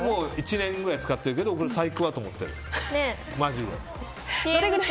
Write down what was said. １年ぐらい使ってるけど最高だと思ってる。